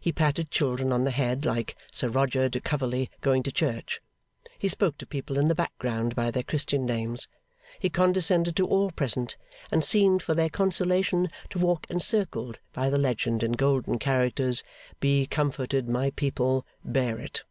He patted children on the head like Sir Roger de Coverley going to church, he spoke to people in the background by their Christian names, he condescended to all present, and seemed for their consolation to walk encircled by the legend in golden characters, 'Be comforted, my people! Bear it!